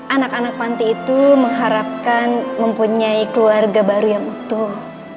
anak anak panti itu mengharapkan mempunyai keluarga baru yang utuh